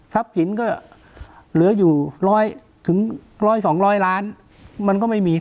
สินก็เหลืออยู่๑๐๐๒๐๐ล้านมันก็ไม่มี